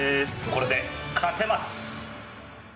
これで勝てます！